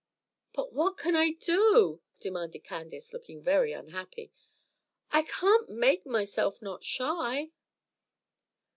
"But what can I do?" demanded Candace, looking very unhappy. "I can't make myself not shy."